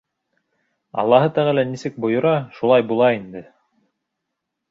— Аллаһы Тәғәлә нисек бойора, шулай була инде.